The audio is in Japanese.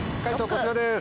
こちらです。